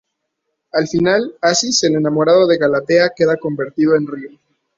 Al final, Acis, el enamorado de Galatea, queda convertido en río.